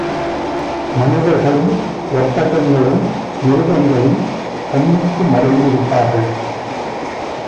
மனிதர்களும், ஒட்டகங்களும், மிருகங்களும் கண்ணுக்கு மறைந்து விட்டார்கள்.